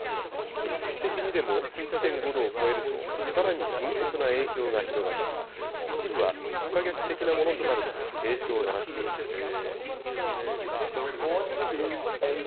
一時的にでも１．５度を超えると、さらに深刻な影響が広がり、一部は不可逆的なものとなると警鐘を鳴らしています。